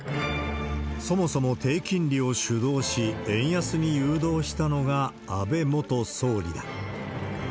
そもそも低金利を主導し、円安に誘導したのが、安倍元総理だ。